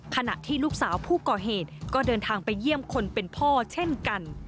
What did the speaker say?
ขณะที่ลูกสาวผู้ก่อเหตุก็เดินทางไปเยี่ยมคนเป็นพ่อเช่นกัน